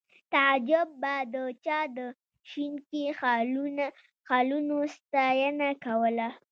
تعجب به د چا د شینکي خالونو ستاینه کوله